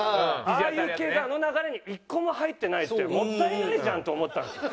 ああいう系があの流れに１個も入ってないってもったいないじゃんと思ったんですよ。